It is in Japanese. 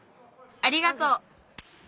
ありがとう！